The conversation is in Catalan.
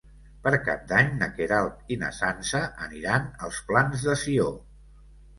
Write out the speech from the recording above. Per Cap d'Any na Queralt i na Sança aniran als Plans de Sió.